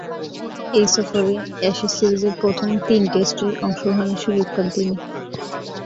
এ সফরে অ্যাশেজ সিরিজের প্রথম তিন টেস্টে অংশগ্রহণের সুযোগ পান তিনি।